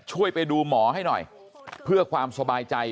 ช่วยไปดูหมอให้หน่อยเพื่อความสบายใจ